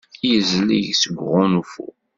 Yezlez seg -s uɣunfu.